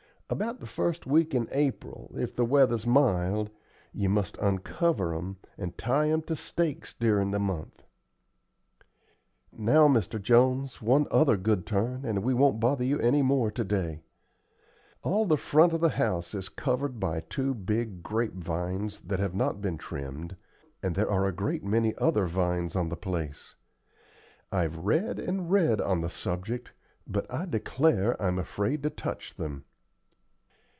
About the first week in April, if the weather's mild, you must uncover 'em, and tie 'em to stakes durin' the month." "Now, Mr. Jones, one other good turn and we won't bother you any more to day. All the front of the house is covered by two big grape vines that have not been trimmed, and there are a great many other vines on the place. I've read and read on the subject, but I declare I'm afraid to touch them."